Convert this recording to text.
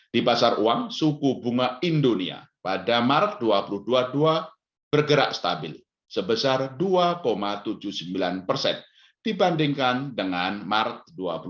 di pasar uang suku bunga indonesia pada maret dua ribu dua puluh dua bergerak stabil sebesar dua tujuh puluh sembilan persen dibandingkan dengan maret dua ribu dua puluh